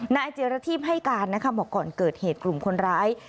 นายเจรทีพให้การนะคะบอกก่อนเกิดเหตุกลุ่มคนร้าย